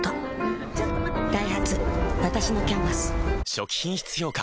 初期品質評価